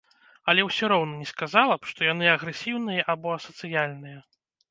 Але ўсё роўна не сказала б, што яны агрэсіўныя або асацыяльныя.